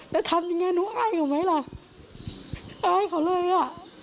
แล้วทำยังไงหนูอ้ายเขาไหมล่ะเอาให้เขาเลยอ่ะ